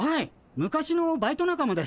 昔のバイト仲間です。